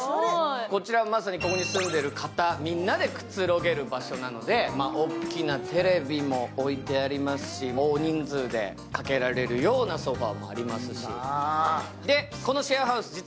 こちらはまさにここに住んでいる方、みんながくつろげる場所なので大きなテレビも置いてありますし、大人数でかけられるようなソファーもあります。